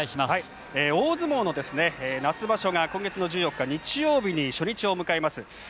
大相撲の夏場所が今月の１４日日曜日に初日を迎えます。